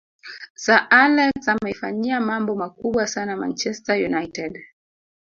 sir alex ameifanyia mambo makubwa sana manchester united